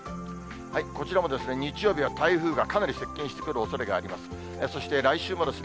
こちらも日曜日は台風がかなり接近してくるおそれがあります。